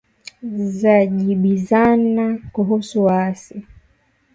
Zajibizana kuhusu waasi